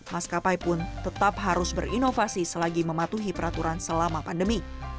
maskapai pun tetap harus berinovasi selagi mematuhi peraturan selama pandemi